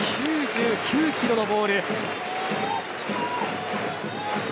９９キロのボール。